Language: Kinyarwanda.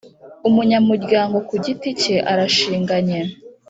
Umunyamuryango Ku Giti Cye Arashinganye